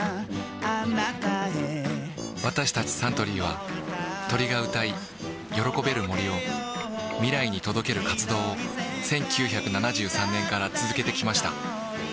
私たちサントリーは鳥が歌い喜べる森を未来に届ける活動を１９７３年から続けてきました